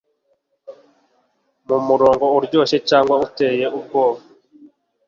Mu murongo uryoshye cyangwa uteye ubwoba